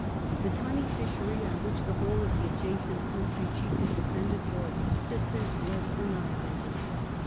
The tunny fishery, on which the whole of the adjacent country chiefly depended for its subsistence, was annihilated.